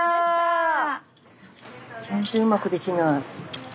全然うまくできない。